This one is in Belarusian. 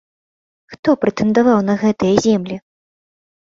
Хто прэтэндаваў на гэтыя землі?